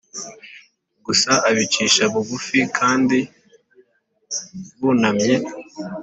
gusa abicisha bugufi kandi bunamye